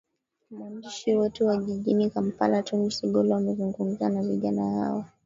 mwandishi wetu wa jijini kampala tony sigolo amezungumza na vijana hao